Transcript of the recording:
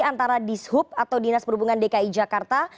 antara dishub atau dinas perhubungan dki jakarta